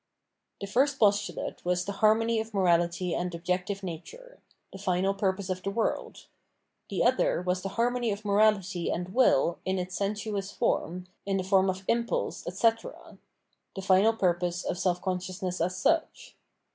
The fimt postulate was the harmony of morahty and objective nature — the final purpose of the world : the other was the harmony of morahty and will in its sen suous form, in the form of impulse, etc. — the final purpose of self consciousness as such.